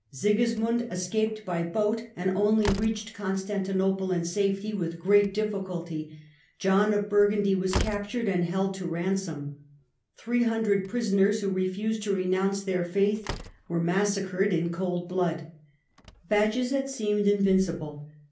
Sigis mund escaped by boat and only reached Constantinople and safety with great difficulty ; John of Burgundy was captured and held to ransom ; 300 prisoners, who refused to renounce their faith, were massacred in cold blood. Bajazet seemed invincible.